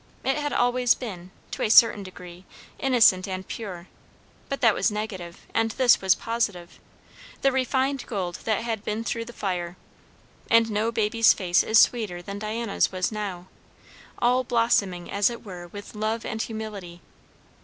It had always been, to a certain degree, innocent and pure, but that was negative; and this was positive, the refined gold that had been through the fire. And no baby's face is sweeter than Diana's was now, all blossoming as it were with love and humility.